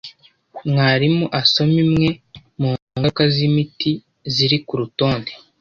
Mwarimu asome imwe mu ngaruka zʼ imiti ziri ku rutonde